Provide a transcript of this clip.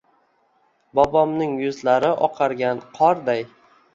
Bobomning yuzlari oqargan qorday.